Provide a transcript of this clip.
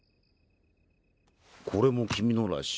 これも君のらしい。